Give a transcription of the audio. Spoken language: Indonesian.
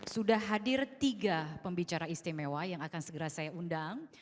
sudah hadir tiga pembicara istimewa yang akan segera saya undang